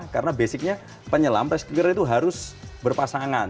karena basicnya penyelam rescuer itu harus berpasangan